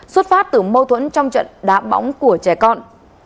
xuất phát từ mâu thuẫn trong trận đá bóng của trẻ con